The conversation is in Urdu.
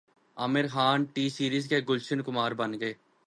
عامر خان ٹی سیریز کے گلشن کمار بنیں گے